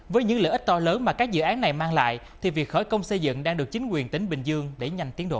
với những lợi ích to lớn mà các dự án này mang lại thì việc khởi công xây dựng đang được chính quyền tỉnh bình dương đẩy nhanh tiến độ